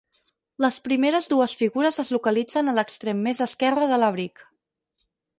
Les primeres dues figures es localitzen a l'extrem més esquerre de l'abric.